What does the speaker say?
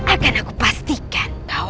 akan aku pastikan kau